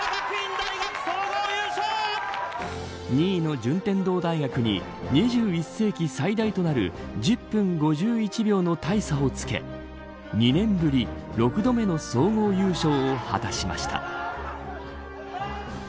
２位の順天堂大学に２１世紀最大となる１０分５１秒の大差をつけ２年ぶり６度目の総合優勝を果たしました。